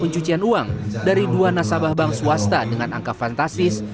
pencucian uang dari dua nasabah bank swasta dengan angka fantastis